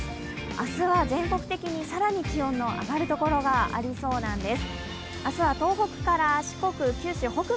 明日は全国的に更に気温の上がる所がありそうなんです。